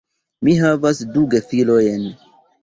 Mi havas du gefilojn.